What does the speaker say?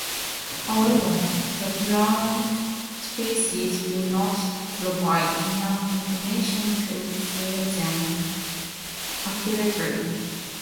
However, the blank spaces do not provide enough information to fill them accurately.